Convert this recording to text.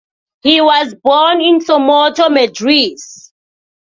He was born in Somoto, Madriz.